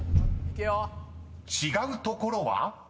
［違うところは？］